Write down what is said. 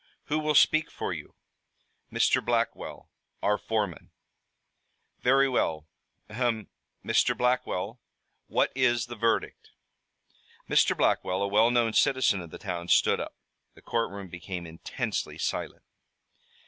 "Who will speak for you?" "Mr. Blackwell, our foreman." "Very well. Ahem! Mr. Blackwell, what is the verdict?" Mr. Blackwell, a well known citizen of the town, stood up. The courtroom became intensely silent.